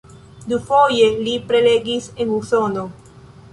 Dufoje li prelegis en Usono.